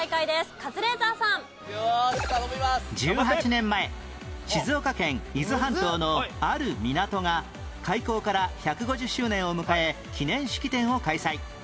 １８年前静岡県伊豆半島のある港が開港から１５０周年を迎え記念式典を開催